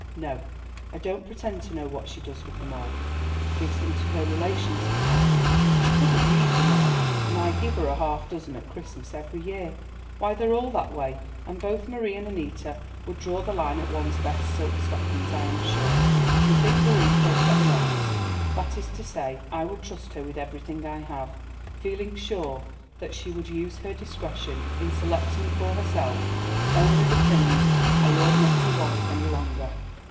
No, I don't pretend to know what she does with them all. Gives them to her relations, perhaps. She couldn't use them all, and I give her a half dozen at Christmas every year. Why, they're all that way, and both Marie and Annita would draw the line at one's best silk stockings, I am sure. We think Marie perfectly honest; that is to say, I would trust her with everything I have, feeling sure that she would use her discretion in selecting for herself only the things I ought not to want any longer.